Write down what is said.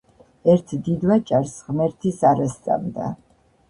ერთ დიდვაჭარს, ღმერთის არა სწამდა.